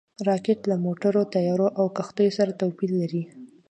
راکټ له موټرو، طیارو او کښتیو سره توپیر لري